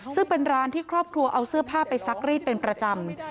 ซึ่งเป็นร้านที่ครอบครัวเอาเสื้อผ้าไปซักรีดเป็นประจำ